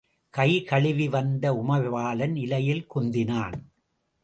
கை கழுவி வந்த உமைபாலன் இலையில் குந்தினான்.